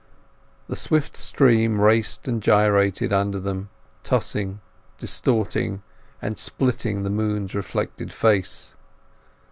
The swift stream raced and gyrated under them, tossing, distorting, and splitting the moon's reflected face.